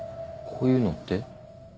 こういうのって？